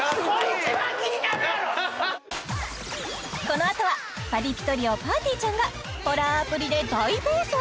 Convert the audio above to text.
このあとはパリピトリオぱーてぃーちゃんがホラーアプリで大暴走！？